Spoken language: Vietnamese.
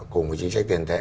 cùng với chính sách tiền tệ